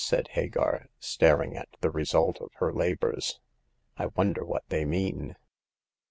*' said Hagar, star ing at the result of her labors. " I wonder what they mean."